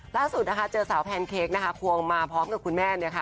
ล่าสุดเจอสาวแพนเค้กควงมาพร้อมกับคุณแม่